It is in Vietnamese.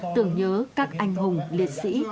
tưởng nhớ các anh hùng liệt sĩ